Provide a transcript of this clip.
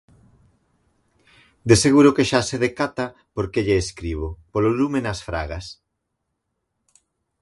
De seguro que xa se decata por que lle escribo: polo lume nas Fragas.